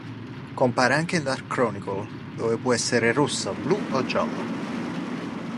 Compare anche in "Dark Chronicle", dove può essere rossa, blu o gialla.